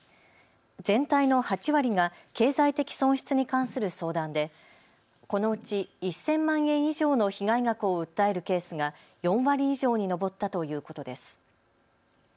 全体の８割が経済的損失に関する相談でこのうち１０００万円以上の被害額を訴えるケースが４割以上に上ったということです。